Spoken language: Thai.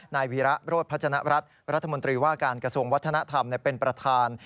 นายวิระโดรธผจญรัตต์รัฐมังว่าการกระทรวงวัฒนธรรมเป็นประทาน